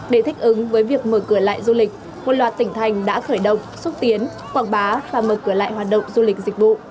để thích ứng với việc mở cửa lại du lịch một loạt tỉnh thành đã khởi động xúc tiến quảng bá và mở cửa lại hoạt động du lịch dịch vụ